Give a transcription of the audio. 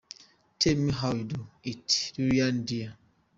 Tell me how you do it, Liliana dear.